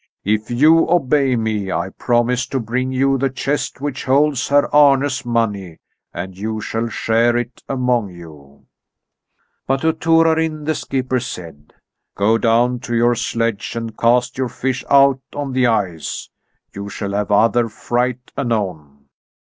If you obey me I promise to bring you the chest which holds Herr Arne's money, and you shall share it among you." But to Torarin the skipper said: "Go down to your sledge and cast your fish out on the ice. You shall have other freight anon."